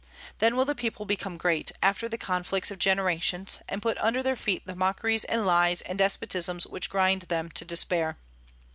Then will the people become great, after the conflicts of generations, and put under their feet the mockeries and lies and despotisms which grind them to despair."